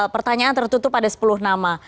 pertanyaan tertutup ada sepuluh nama